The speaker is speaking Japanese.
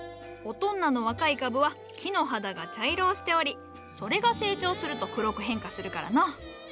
オトンナの若い株は木の肌が茶色をしておりそれが成長すると黒く変化するからの。